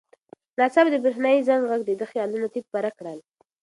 ناڅاپه د برېښنایي زنګ غږ د ده خیالونه تیت پرک کړل.